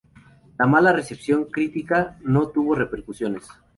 La mala recepción crítica no tuvo repercusiones.